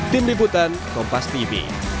tim liputan kompas tv